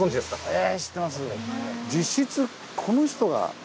ええ知ってます。